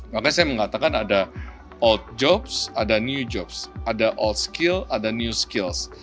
makanya saya mengatakan ada old jobs ada new jobs ada old skill ada new skills